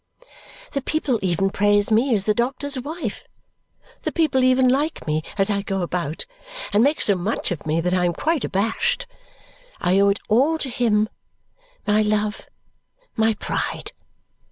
The people even praise me as the doctor's wife. The people even like me as I go about, and make so much of me that I am quite abashed. I owe it all to him, my love, my pride!